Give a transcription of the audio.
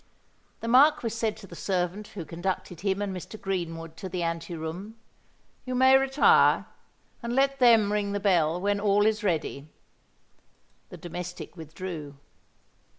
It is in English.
The Marquis said to the servant who conducted him and Mr. Greenwood to the ante room, "You may retire; and let them ring the bell when all is ready." The domestic withdrew.